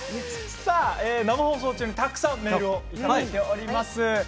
生放送中にたくさんのメールをいただいております。